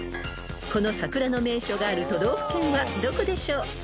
［この桜の名所がある都道府県はどこでしょう？］